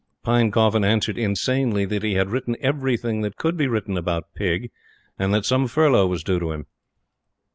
Pinecoffin answered insanely that he had written everything that could be written about Pig, and that some furlough was due to him.